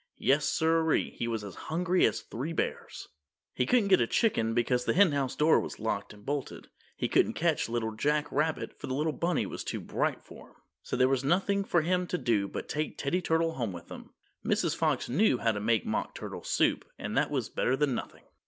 Yes, siree, he was as hungry as three bears. He couldn't get a chicken because the Henhouse door was locked and bolted. He couldn't catch Little Jack Rabbit, for the little bunny was too bright for him. So there was nothing for him to do but take Teddy Turtle home with him. Mrs. Fox knew how to make Mock Turtle Soup, and that was better than nothing!